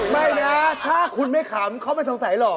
ไม่นะถ้าคุณไม่ขำเขาไม่สงสัยหรอก